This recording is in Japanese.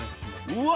うわ！